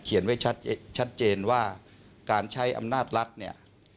ไว้ชัดเจนว่าการใช้อำนาจรัฐเนี่ย